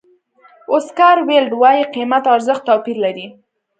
اوسکار ویلډ وایي قیمت او ارزښت توپیر لري.